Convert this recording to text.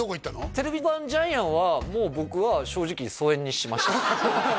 ジャイアンはもう僕は正直疎遠にしました